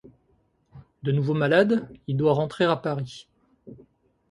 De nouveau malade, il doit rentrer à Paris.